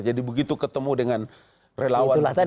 jadi begitu ketemu dengan relawan itu banyak